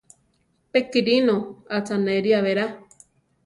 Pe Kírino acháneria berá.